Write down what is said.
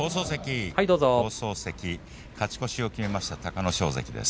勝ち越しを決めました隆の勝関です。